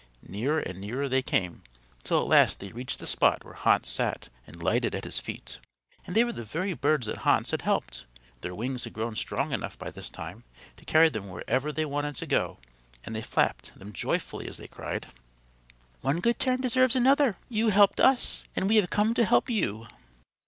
Nearer and nearer they came till at last they reached the spot where Hans sat and lighted at his feet. And they were the very birds that Hans had helped. Their wings had grown strong enough by this time to carry them wherever they wanted to go and they flapped them joyfully as they cried: "One good turn deserves another. You helped us, and we have come to help you."